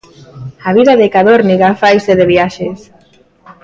A vida de Cadórniga faise de viaxes.